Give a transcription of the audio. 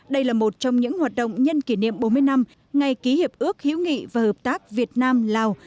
đây là một trong những hoạt động nhân kỷ niệm bốn mươi năm ngày ký hiệp ước hữu nghị và hợp tác việt nam lào